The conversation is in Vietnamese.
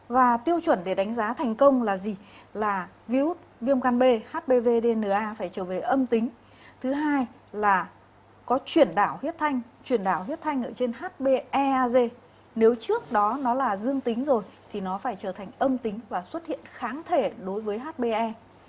và tiêu chuẩn để đánh giá thành công là gì là virus viêm gan b hbvdna phải trở về âm tính thứ hai là có chuyển đảo huyết thanh truyền đảo huyết thanh ở trên hbeag nếu trước đó nó là dương tính rồi thì nó phải trở thành âm tính và xuất hiện kháng thể đối với hbe